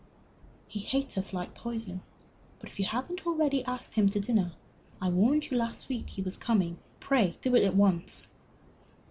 "He hates us like poison. But if you haven't already asked him to dinner I warned you last week he was coming pray do it at once!"